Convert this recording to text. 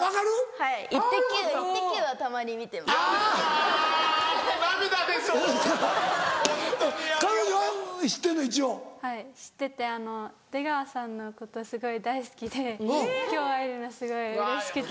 はい知ってて出川さんのことすごい大好きで今日会えるのすごいうれしくて。